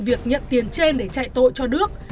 việc nhận tiền trên để chạy tội cho nước